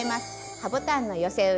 ハボタンの寄せ植え